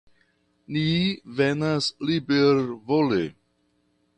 Ni venas libervole.